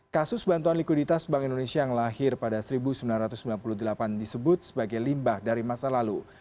kasus bantuan likuiditas bank indonesia yang lahir pada seribu sembilan ratus sembilan puluh delapan disebut sebagai limbah dari masa lalu